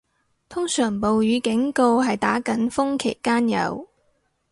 通常暴雨警告係打緊風期間有